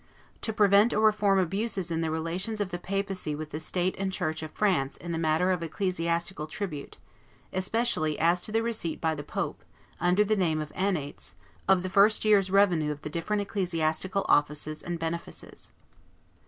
To prevent or reform abuses in the relations of the papacy with the state and church of France in the matter of ecclesiastical tribute, especially as to the receipt by the pope, under the name of annates, of the first year's revenue of the different ecclesiastical offices and benefices.